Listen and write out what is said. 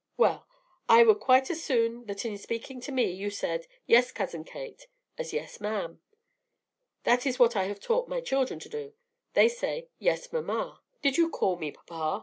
"Well, I would quite as soon that in speaking to me you said, 'Yes, Cousin Kate,' as 'Yes, ma'am.' That is what I have taught my children to do. They say, 'Yes, mamma;' 'Did you call me, papa?'